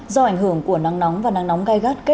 do ảnh hưởng của nắng nóng và nắng nóng gai gắt